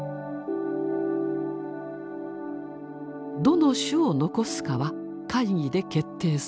どの種を残すかは会議で決定される。